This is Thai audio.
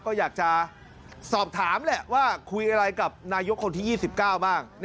ก็อยากจะสอบถามแหละว่าคุยอะไรกับนายกคนที่๒๙บ้าง